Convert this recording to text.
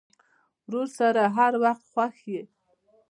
ورور سره هر وخت خوښ یې.